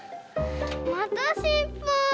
またしっぱい。